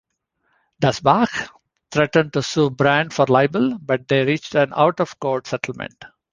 Dasbach threatened to sue Brand for libel, but they reached an out-of-court settlement.